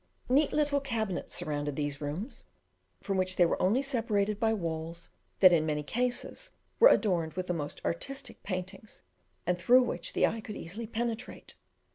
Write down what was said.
Neat little cabinets surrounded these rooms, from which they were only separated by walls that in many cases were adorned with the most artistic paintings, and through which the eye could easily penetrate.